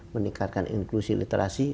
meningkatkan inklusi literasi